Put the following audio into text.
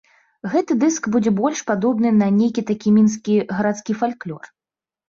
Гэты дыск будзе больш падобны на нейкі такі мінскі гарадскі фальклор.